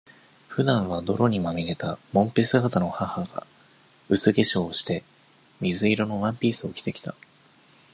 普段は、泥にまみれたもんぺ姿の母が、薄化粧して、水色のワンピースを着て来た。